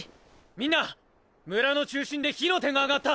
みんな村の中心で火の手が上がった！